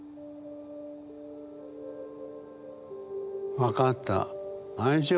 分かった。